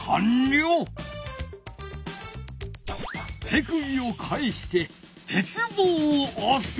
手首を返して鉄棒をおす。